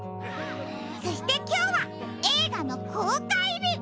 そしてきょうはえいがのこうかいび！